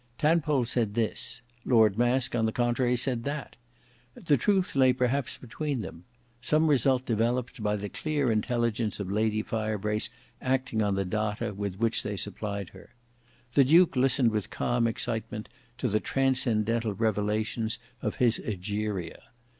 Tadpole said this; Lord Masque, on the contrary, said that: the truth lay perhaps between them; some result developed by the clear intelligence of Lady Firebrace acting on the data with which they supplied her. The duke listened with calm excitement to the transcendental revelations of his Egeria.